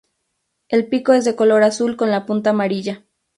El pico es de color azul con la punta amarilla.